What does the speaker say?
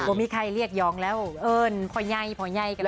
โมมี่ใครเรียกย้องแล้วเอิญพ่อย่ายพ่อย่ายกันนะ